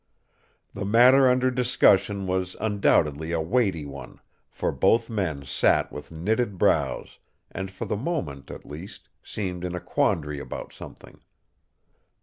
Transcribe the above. The matter under discussion was undoubtedly a weighty one, for both men sat with knitted brows, and for the moment, at least, seemed in a quandary about something.